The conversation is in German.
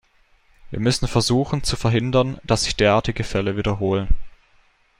Wir müssen versuchen zu verhindern, dass sich derartige Fälle wiederholen.